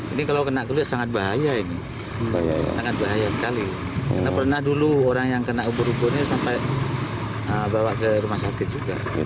ini kalau kena kulit sangat bahaya ini sangat bahaya sekali karena pernah dulu orang yang kena ubur uburnya sampai bawa ke rumah sakit juga